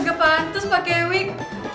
gak pantas pake uik